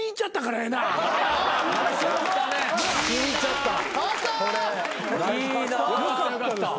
よかった。